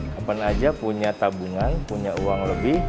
kapan aja punya tabungan punya uang lebih